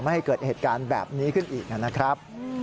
ให้เกิดเหตุการณ์แบบนี้ขึ้นอีกนะครับ